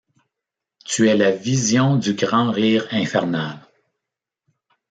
Tu es la vision du grand rire infernal.